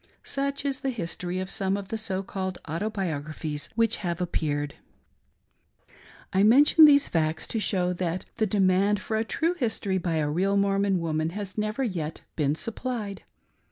Such is the history of some of the so called autobiographies which have appeared. PREFACE. Xiii I mention these facts to show that the demand for a true history by a real Mormon woman has never yet been supplied.